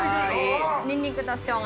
ニンニクとショウガ。